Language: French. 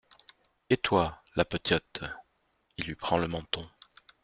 Et toi, la petiote ? il lui prend le menton.